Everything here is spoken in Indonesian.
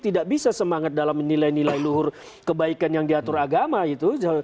tidak bisa semangat dalam menilai nilai luhur kebaikan yang diatur agama itu